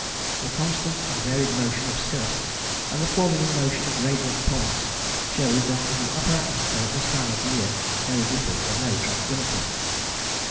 The constant and varied motion of cirrus, and the forming and motion of radiant points, shows that in the upper atmosphere at this time of the year there is little or no tranquillity."